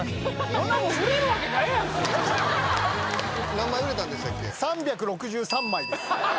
こんなもん何枚売れたんでしたっけ？